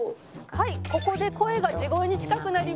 「はいここで声が地声に近くなりました」